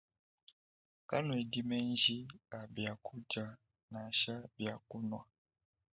Kanuedi menji a biakudia nansha bia kunua.